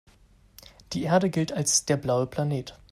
Die Erde gilt als der „blaue Planet“.